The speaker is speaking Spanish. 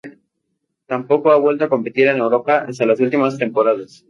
Tampoco ha vuelto a competir en Europa hasta las últimas temporadas.